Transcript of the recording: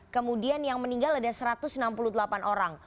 kemudian yang meninggal ada satu ratus enam puluh delapan orang